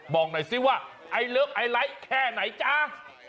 บอกหน่อยสิว่าไอเลิฟไอไลท์แค่ไหนจ้า